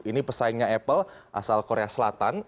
ini pesaingnya apple asal korea selatan